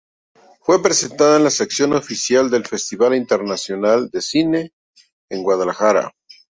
Fue presentada en la sección oficial del Festival Internacional de Cine en Guadalajara.